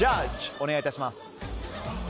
お願いいたします。